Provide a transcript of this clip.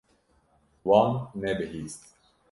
Wan nebihîst.